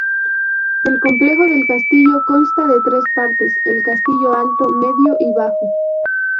El complejo del castillo consta de tres partes: El castillo alto, medio y bajo.